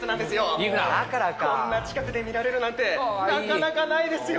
こんな近くで見れるなんてなかなかないですよ。